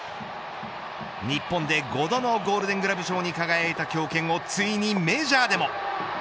日本で５度のゴールデングラブ賞に輝いた強肩をついにメジャーでも。